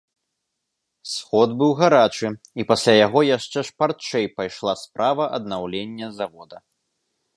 Сход быў гарачы, і пасля яго яшчэ шпарчэй пайшла справа аднаўлення завода.